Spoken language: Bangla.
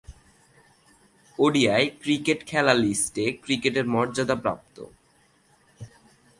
ওডিআই ক্রিকেট খেলা লিস্ট এ ক্রিকেটের মর্যাদাপ্রাপ্ত।